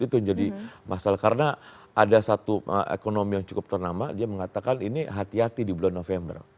itu yang jadi masalah karena ada satu ekonomi yang cukup ternama dia mengatakan ini hati hati di bulan november